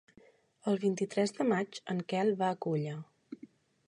El vint-i-tres de maig en Quel va a Culla.